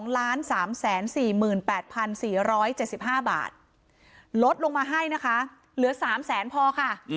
๒๓๔๘๔๗๕บาทลดลงมาให้นะคะเหลือ๓แสนพอค่ะ